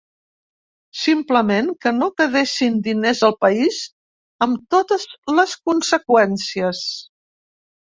Simplement, que no quedessin diners al país, amb totes les conseqüències.